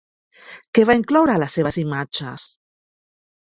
Què va incloure a les seves imatges?